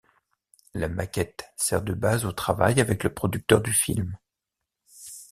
La maquette sert de base au travail avec le producteur du film.